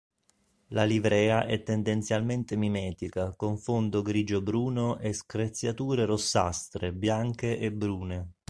La livrea è tendenzialmente mimetica con fondo grigio-bruno e screziature rossastre, bianche e brune.